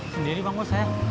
sendiri bang bos ya